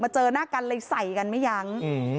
มาเจอหน้ากันเลยใส่กันมั้ยยัง